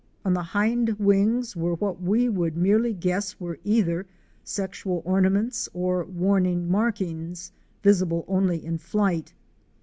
On the hind wings were what we could merely guess were either sexual ornaments or warning markings, visible only in flight.